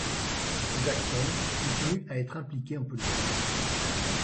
Jackson continue à être impliquée en politique.